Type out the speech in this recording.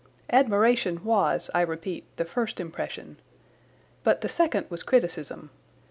Admiration was, I repeat, the first impression. But the second was criticism.